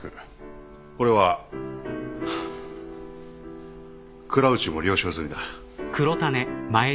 これは倉内も了承済みだ。